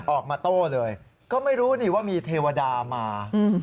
ออกมาโต้เลยก็ไม่รู้นี่ว่ามีเทวดามา